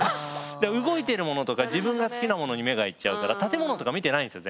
動いてるものとか自分が好きなものに目がいっちゃうから建物とか見てないんですよ